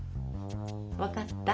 分かった？